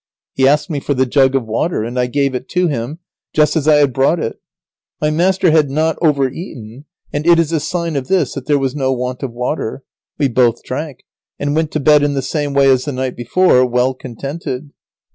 He asked me for the jug of water, and I gave it to him just as I had brought it. My master had not over eaten, and it is a sign of this that there was no want of water. We both drank, and went to bed in the same way as the night before, well contented.